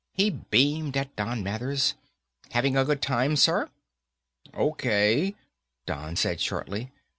He beamed at Don Mathers. "Having a good time, sir?" "Okay," Don said shortly.